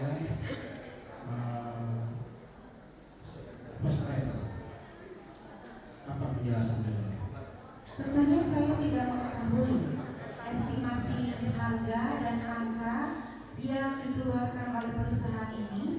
apakah saudara dedy jelaskan